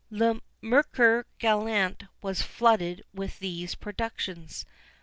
Le Mercure Galant was flooded with these productions.